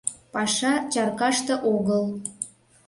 Паша чаркаште огыл